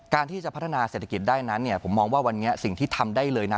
การที่จะพัฒนาเศรษฐกิจได้นั้นผมมองว่าวันนี้สิ่งที่ทำได้เลยนะ